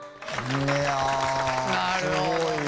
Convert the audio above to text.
なるほどね。